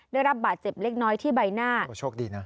ได้รับบาดเจ็บเล็กน้อยที่ใบหน้าโอ้โชคดีนะ